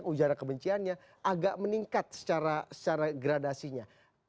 ujaran kebenciannya agak meningkat secara gradasinya